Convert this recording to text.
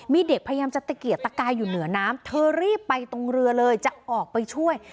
มีเด็กพยายามจะตะเกียกตะกายอยู่เหนือน้ำเธอรีบไปตรงเรือเลยจะออกไปช่วย